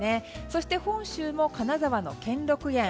そして本州も金沢の兼六園